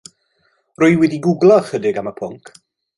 Rwy wedi gwglo ychydig am y pwnc.